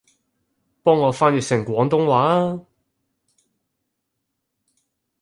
幫我翻譯成廣東話吖